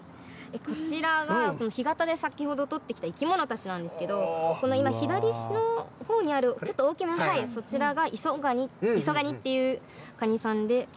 こちらは干潟で先ほど取ってきた生き物たちなんですけど、この今、左のほうにある、ちょっと大きな、そちらがイソガニっていうカニさんで。